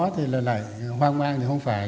thì là lại hoang mang thì không phải